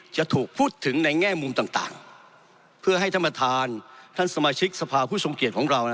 จะถูกพูดถึงในแง่มุมต่างเพื่อให้ท่านประธานท่านสมาชิกสภาผู้ทรงเกียจของเรา